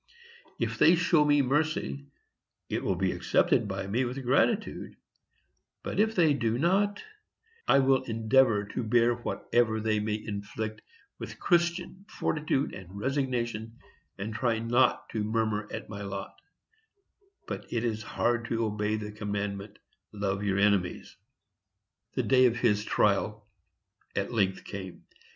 If they show me mercy, it will be accepted by me with gratitude; but if they do not, I will endeavor to bear whatever they may inflict with Christian fortitude and resignation, and try not to murmur at my lot; but it is hard to obey the commandment, "Love your enemies." The day of his trial at length came.